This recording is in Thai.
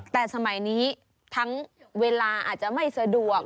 แต่สมัยนี้ทั้งเวลาอาจจะไม่สะดวก